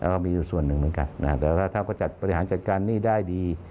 แล้วก็มีอยู่ส่วนหนึ่งเหมือนกันแต่ถ้าก็จัดประหลาดจัดการหนี้ได้ดี